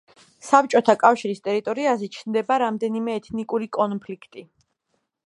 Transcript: საბჭოთა კავშირის ტერიტორიაზე ჩნდება რამდენიმე ეთნიკური კონფლიქტი.